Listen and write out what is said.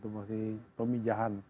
masih tomy jahan